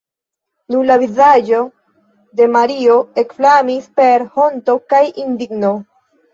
Nun la vizaĝo de Mario ekflamis per honto kaj indigno.